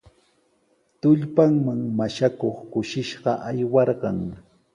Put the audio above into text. Tullpanman mashakuq kushishqa aywarqan.